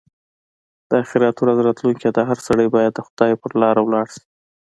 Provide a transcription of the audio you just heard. د اخيرت ورځ راتلونکې ده؛ هر سړی باید د خدای پر لاره ولاړ شي.